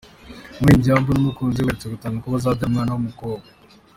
Umuririmbyi Humble n’umukunzi we baherutse gutangaza ko bazabyara umwana w’umukobwa.